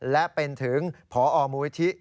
และเป็นถึงพอมูลิธิ